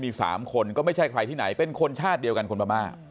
มี๓คนก็ไม่ใช่ใครที่ไหนเป็นคนชาติเดียวกันคนพม่า